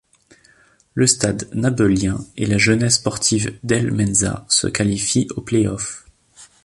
Le Stade nabeulien et la Jeunesse sportive d'El Menzah se qualifient au play-off.